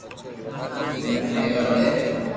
اوني رھيوا دي